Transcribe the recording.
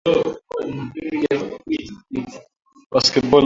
Sote tuko na haki moja kulingana na sheria ya inchi yetu